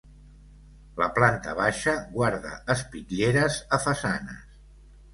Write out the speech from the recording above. La planta baixa guarda espitlleres a façanes.